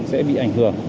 sẽ bị ảnh hưởng